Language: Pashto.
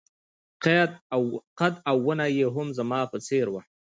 قد او ونه يې هم زما په څېر وه.